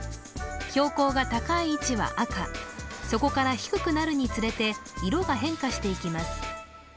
標高が高い位置は赤そこから低くなるにつれて色が変化していきます